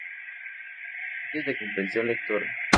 Área de Comprensión Lectora.